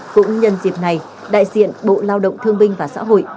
cũng nhân dịp này đại diện bộ lao động thương binh và xã hội